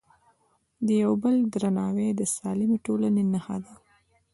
د یو بل درناوی د سالمې ټولنې نښه ده.